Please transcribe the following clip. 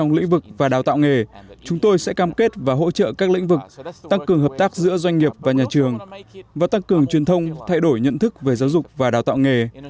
trong lĩnh vực và đào tạo nghề chúng tôi sẽ cam kết và hỗ trợ các lĩnh vực tăng cường hợp tác giữa doanh nghiệp và nhà trường và tăng cường truyền thông thay đổi nhận thức về giáo dục và đào tạo nghề